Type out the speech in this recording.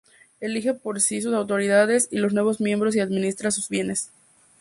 Elige por sí sus autoridades y los nuevos miembros y administra sus bienes.